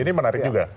ini menarik juga